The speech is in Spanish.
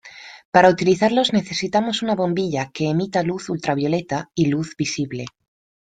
Para utilizarlos necesitamos una bombilla que emita luz ultravioleta y luz visible.